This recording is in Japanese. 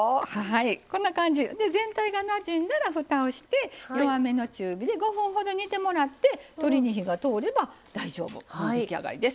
こんな感じ全体がなじんだらふたをして弱めの中火で５分ほど煮てもらって鶏に火が通れば大丈夫もう出来上がりです。